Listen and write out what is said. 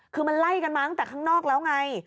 คือมันไล่กันมาตั้งแต่ข้างนอกแล้วไง